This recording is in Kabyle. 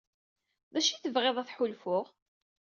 D acu ay tebɣid ad t-ḥulfuɣ?